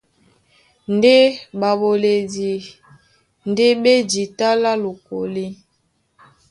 Ndé ɓaɓoledi ndé ɓá e jǐta lá lokólí.